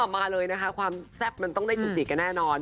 มาเลยนะคะความแซ่บมันต้องได้จุจิกันแน่นอน